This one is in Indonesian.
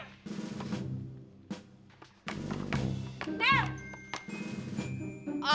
jangan j tenang ya